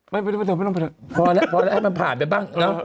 ไม่ไม่ต้องพอแล้วให้มันผ่านไปบ้าง